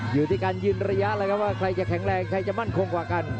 อยู่ที่การยืนระยะแล้วครับว่าใครจะแข็งแรงใครจะมั่นคงกว่ากัน